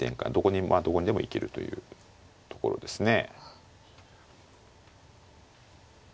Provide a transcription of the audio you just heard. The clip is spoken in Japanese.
どこにでも行けるというところですね。